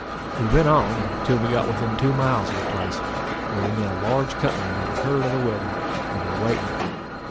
We went on, until we got within two miles of the place, where we met a large company that had heard of the wedding, and were waiting.